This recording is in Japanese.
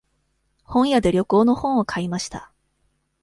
本屋で旅行の本を買いました。